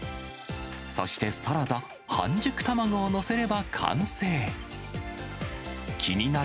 そしてサラダ、半熟卵を載せれば完成。